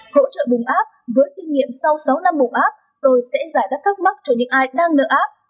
hỗ trợ bùng app với kinh nghiệm sau sáu năm bùng app tôi sẽ giải đáp thắc mắc cho những ai đang nợ